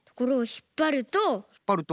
ひっぱると？